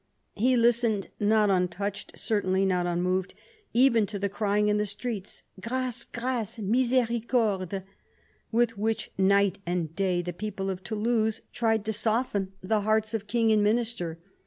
He Hstened, not untouched certainly, but unmoved, even to the crying in the streets— " Grace, grace ! Misericorde ! "—with which, night and day, the people of Toulouse tried to soften the hearts of King THE CARDINAL 231 and Minister.